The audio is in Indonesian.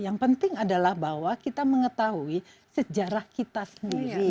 yang penting adalah bahwa kita mengetahui sejarah kita sendiri